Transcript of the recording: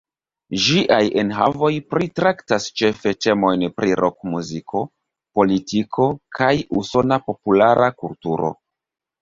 Ĝiaj enhavoj pritraktas ĉefe temojn pri rokmuziko, politiko, kaj usona populara kulturo.